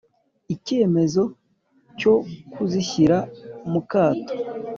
Icyemezo cyo kuzishyira mu kato